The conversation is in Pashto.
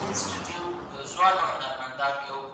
سپینغروره